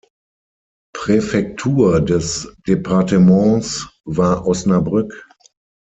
Präfektur des Departements war Osnabrück.